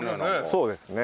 そうですね。